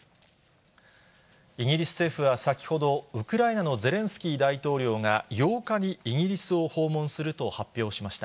イギリス政府は先ほど、ウクライナのゼレンスキー大統領が、８日にイギリスを訪問すると発表しました。